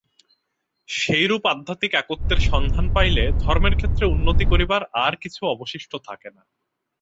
সেইরূপ আধ্যাত্মিক একত্বের সন্ধান পাইলে ধর্মের ক্ষেত্রে উন্নতি করিবার আর কিছু অবশিষ্ট থাকে না।